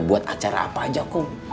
buat acara apa aja aku